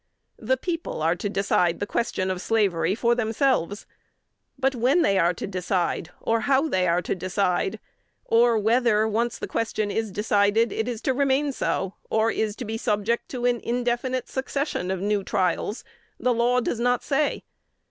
The people are to decide the question of slavery for themselves; but when they are to decide, or how they are to decide, or whether, when the question is once decided, it is to remain so, or is to be subject to an indefinite succession of new trials, the law does not say.